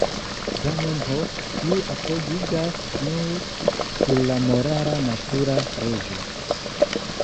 Zamenhof, kiu apogiĝas nur sur la morala natura leĝo.